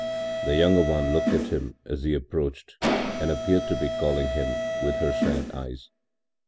The younger one looked at him as he approached and appeared to be calling him with her sad eyes.